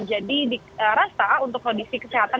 jadi dirasa untuk kondisi kesehatan